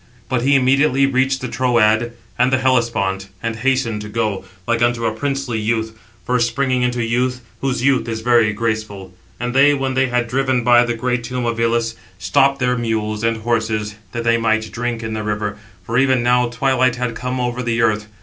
But he immediately reached the Troad and the Hellespont, and hastened to go, like unto a princely youth, first springing into youth, whose youth is very graceful. And they, when they had driven by the great tomb of Ilus, stopped their mules and horses, that they might drink in the river; for even now twilight had come over the earth.